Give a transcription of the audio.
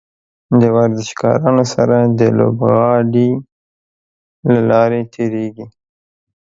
د ورزشکارانو سره د لوبغالي له لارې تیریږي.